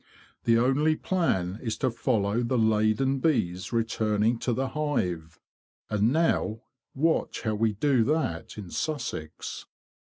The only plan is to follow the laden bees returning to the hive. And now watch how we do that in Sussex."